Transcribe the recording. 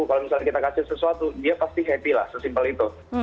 kalau misalnya kita kasih sesuatu dia pasti happy lah sesimpel itu